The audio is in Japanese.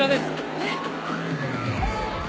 えっ？